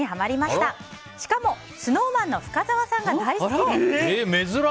しかも、ＳｎｏｗＭａｎの深澤さんが大好き。